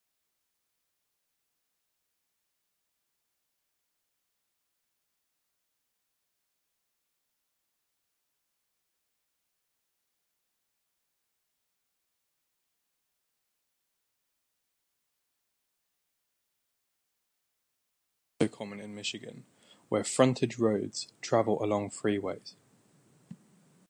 It is also common in Michigan, where frontage roads travel along freeways.